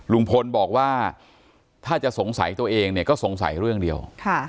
ลุงพลบอกว่าถ้าจะสงสัยตัวเองเนี่ยก็สงสัยเรื่องเดียว